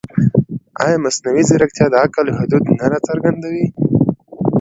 ایا مصنوعي ځیرکتیا د عقل حدود نه راڅرګندوي؟